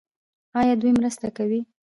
آیا دوی مرسته کوي؟